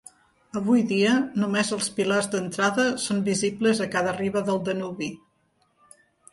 Avui dia només els pilars d'entrada són visibles a cada riba del Danubi.